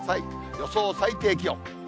予想最低気温。